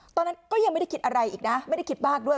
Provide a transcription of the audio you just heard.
ตอนนั้นก็ยังไม่ได้คิดอะไรอีกนะไม่ได้คิดมากด้วย